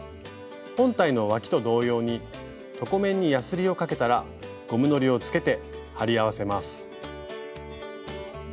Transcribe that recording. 本体のわきと同様に床面にやすりをかけたらゴムのりをつけて貼り合わせます。